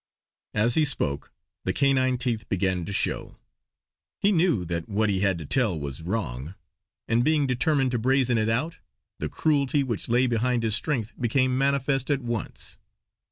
As he spoke, the canine teeth began to show. He knew that what he had to tell was wrong; and being determined to brazen it out, the cruelty which lay behind his strength became manifest at once.